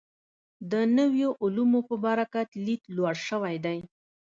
د نویو علومو په برکت لید لوړ شوی دی.